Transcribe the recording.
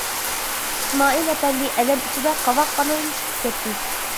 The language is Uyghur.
ئىسمائىل ئەپەندى ئەلەم ئىچىدە قاۋاقخانىدىن چىقىپ كەتتى.